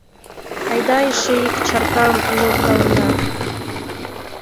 Айда эше ик чаркам нӧлталына.